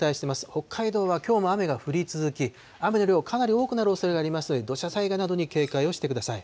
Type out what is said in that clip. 北海道はきょうも雨が降り続き、雨の量、かなり多くなるおそれがありますので、土砂災害などに警戒をしてください。